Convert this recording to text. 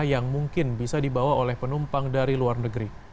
yang mungkin bisa dibawa oleh penumpang dari luar negeri